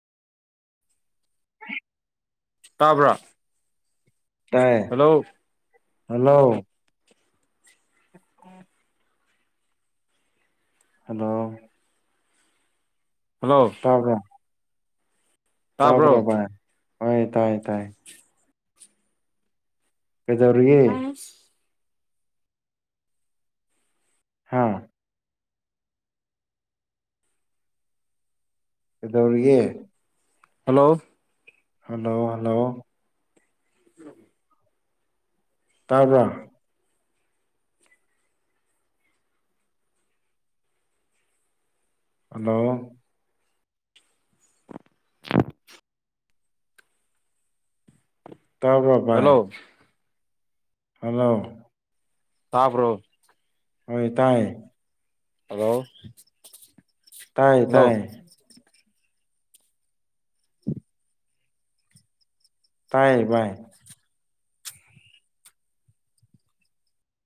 [unintelligible] ꯇꯥꯕ꯭ꯔꯥ? ꯇꯥꯏꯌꯦ hello hello [unintelligible] hello hello ꯇꯥꯕ꯭ꯔꯣ? ꯇꯥꯕ꯭ꯔꯣ ꯕꯥꯏ ꯍꯣꯏ ꯇꯥꯏ ꯇꯥꯏ ꯀꯩꯗꯧꯔꯤꯒꯦ? ꯍꯥꯥ ꯀꯩꯗꯧꯔꯤꯒꯦ? ꯍꯜꯂꯣ ꯍꯜꯂꯣ ꯍꯜꯂꯣ [unintelligible] ꯇꯥꯕ꯭ꯔꯥ? ꯍꯜꯂꯣ [unintelligible] ꯇꯥꯕ꯭ꯔꯣ ꯍꯜꯂꯣ ꯕꯥꯏ? ꯍꯜꯂꯣ ꯇꯥꯕ꯭ꯔꯣ? ꯍꯣꯏ ꯇꯥꯏꯌꯦ ꯍꯜꯂꯣ ꯇꯥꯏ ꯍꯜꯂꯣ ꯇꯥꯏꯌꯦ ꯇꯥꯏꯌꯦ ꯕꯥꯥꯏ